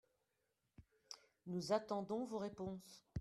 Nous attendons vos réponses